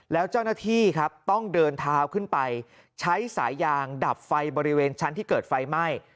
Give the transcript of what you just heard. แล้วเจ้าหน้าที่ครับต้องเดินเท้าขึ้นไปใช้สายยางดับไฟบริเวณชั้นที่เกิดไฟไหม้